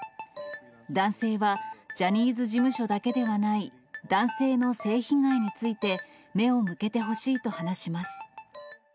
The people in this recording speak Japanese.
男性はジャニーズ事務所だけではない男性の性被害について、目を向けてほしいと話します。